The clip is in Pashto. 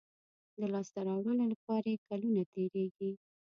د لاسته راوړلو لپاره یې کلونه تېرېږي.